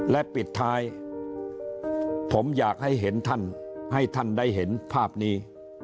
และปิดท้ายผมอยากให้เห็นท่านให้ท่านได้เห็นภาพนี้